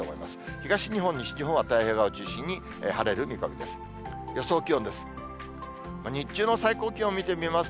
東日本、西日本は太平洋側を中心に晴れる見込みです。